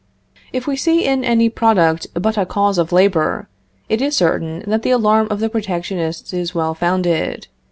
If we see in any product but a cause of labor, it is certain that the alarm of the protectionists is well founded.